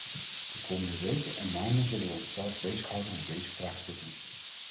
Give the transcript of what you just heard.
De komende weken en maanden zullen we onszelf bezighouden met deze vraagstukken.